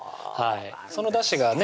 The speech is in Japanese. そのだしがね